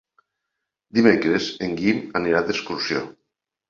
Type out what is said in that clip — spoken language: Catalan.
Dimecres en Guim anirà d'excursió.